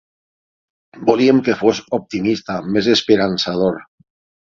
Volíem que fos optimista, més esperançador.